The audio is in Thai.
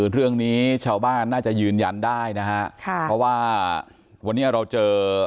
เรื่องนี้ชาวบ้านน่าจะยืนยันได้นะฮะค่ะเพราะว่าวันนี้เราเจอ